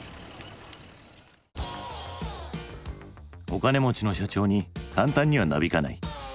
お金持ちの社長に簡単にはなびかない。